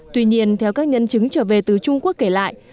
tuy nhiên theo các nhân chứng trở về từ trung quốc kể lại